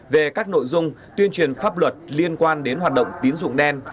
về các nội dung tuyên truyền pháp luật liên quan đến hoạt động tín dụng đen